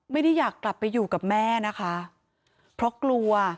ไม่ได้อยากกลับไปอยู่กับแม่นะคะเพราะกลัว